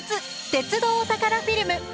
鉄道お宝フィルム」。